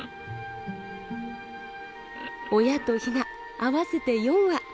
親とヒナ合わせて４羽。